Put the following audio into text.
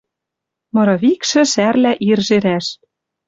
Мыры викшӹ шӓрлӓ ир жерӓш: